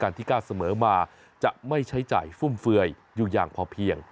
ที่กล้าเสมอมาจะไม่ใช้จ่ายฟุ่มเฟือยอยู่อย่างพอเพียง